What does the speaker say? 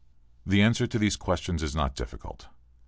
The answer to these questions is not difficult.